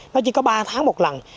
nó chỉ có ba tháng một lần